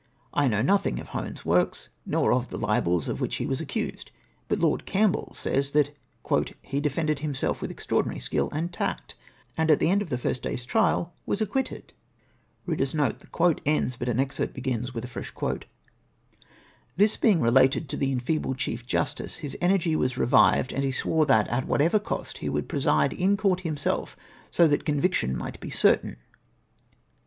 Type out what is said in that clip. I know nothing of Hone's works, nor of the libels of which he was accused, but Lord Campbell says, that " he defended himself with extraordinary skill and tact, and at the end of the first day's trial was acquitted^ "This being related to the enfeebled Chief Justice, his energy was revived, and he sivore that, at ivhatevev cost, he would preside in Court himself, so that conviction might be certain